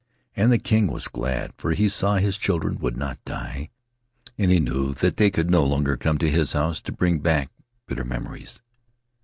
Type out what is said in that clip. And the king was glad, for he saw that his children would not die, and he knew that they could no longer come to his house to bring back bitter memories.